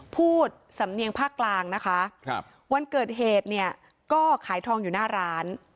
พูดสำเนียงภาคกลางวันเกิดเหตุก็ขายทองอยู่หน้าร้าน